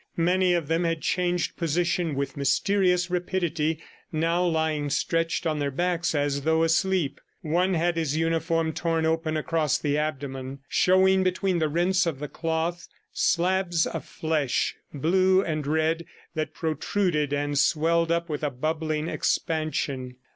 Many of them had changed position with mysterious rapidity, now lying stretched on their backs as though asleep. One had his uniform torn open across the abdomen, showing between the rents of the cloth, slabs of flesh, blue and red that protruded and swelled up with a bubbling expansion.